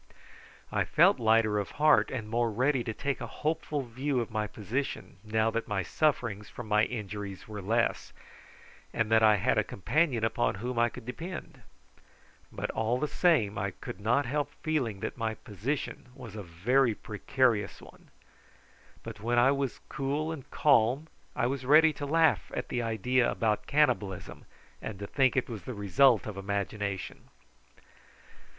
I felt lighter of heart and more ready to take a hopeful view of my position now that my sufferings from my injuries were less, and that I had a companion upon whom I could depend. But all the same I could not help feeling that my position was a very precarious one. But when I was cool and calm I was ready to laugh at the idea about cannibalism, and to think it was the result of imagination.